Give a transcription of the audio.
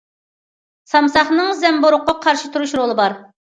سامساقنىڭ زەمبۇرۇغقا قارشى تۇرۇش رولى بار.